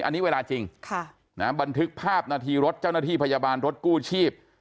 อันนี้เวลาจริงบันทึกภาพนาทีรถเจ้าหน้าที่พยาบาลรถกู้ชีพ